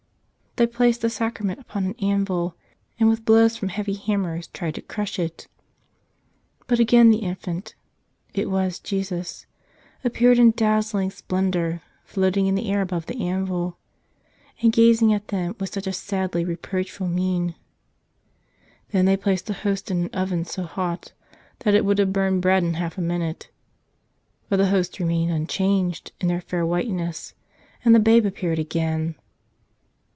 They placed the Sacrament upon an anvil and with blows from heavy hammers tried to crush it. But again the Infant — it was Jesus — appeared in dazzling splendor, floating in the air above the anvil and gazing at them with such a sadly reproachful mien ! Then they placed the Hosts in an oven so hot that it would have burned bread in half a minute — but the Hosts remained unchanged in their fair whiteness, and the Babe appeared again!